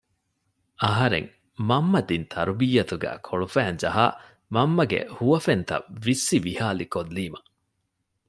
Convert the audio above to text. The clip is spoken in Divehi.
އަހަރެން މަންމަ ދިން ތަރުބިއްޔަތުގައި ކޮޅުފައިންޖަހާ މަންމަގެ ހުވަފެންތައް ވިއްސި ވިހާލި ކޮއްލީމަ